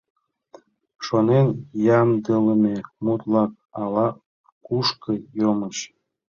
Шонен ямдылыме мут-влак ала-кушко йомыч.